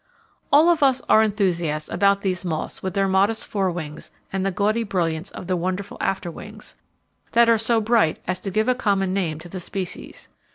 All of us are enthusiasts about these moths with their modest fore wings and the gaudy brilliance of the wonderful 'after wings,' that are so bright as to give common name to the species.